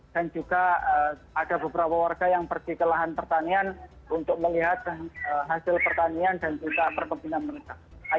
dan juga ada beberapa warga yang pergi ke lahan pertanian untuk melihat hasil pertanian dan juga perkembangan mereka